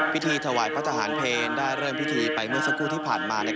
พิธีถวายพระทหารเพลได้เริ่มพิธีไปเมื่อสักครู่ที่ผ่านมา